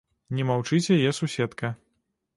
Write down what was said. Не маўчыць яе суседка.